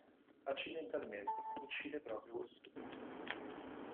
Accidentalmente uccide proprio quest'ultimo.